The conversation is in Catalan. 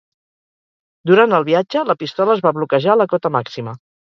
Durant el viatge, la pistola es va bloquejar a la cota màxima.